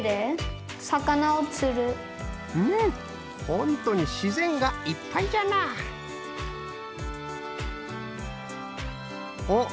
ほんとに自然がいっぱいじゃなおっ？